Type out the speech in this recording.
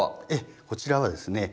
こちらはですね